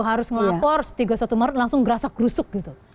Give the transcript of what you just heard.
harus ngelapor tiga puluh satu maret langsung gerasak gerusuk gitu